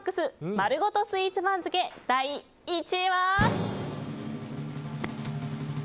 丸ごとスイーツ番付第１位は。